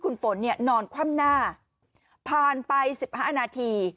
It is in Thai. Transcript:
คุณฝนเนี่ยนอนคว่ำหน้าผ่านไป๑๕นาที